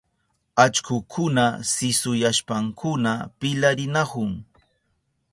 Allkukuna sisuyashpankuna pilarinahun.